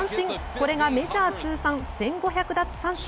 これがメジャー通算１５００奪三振。